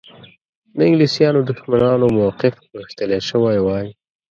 د انګلیسیانو دښمنانو موقف غښتلی شوی وای.